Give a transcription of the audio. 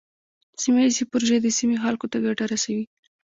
سیمه ایزې پروژې د سیمې خلکو ته ګټه رسوي.